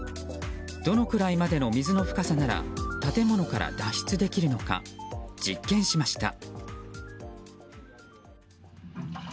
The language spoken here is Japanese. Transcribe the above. どのくらいまでの水の深さなら建物から脱出できるのか実験しました。